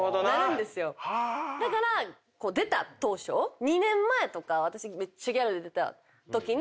だから出た当初２年前とか私めっちゃギャルで出たときに。